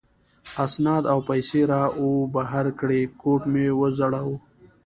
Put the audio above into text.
اسناد او پیسې را وبهر کړې، کوټ مې و ځړاوه.